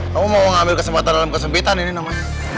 kamu mau ngambil kesempatan dalam kesempitan ini namanya